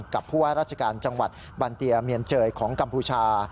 กับผู้ว่าราชการจังหวัดบันเตียเมียนเจยของกัมพูชา